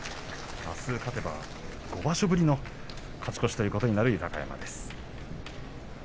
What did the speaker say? あす勝てば５場所ぶりの勝ち越しとなる豊山です。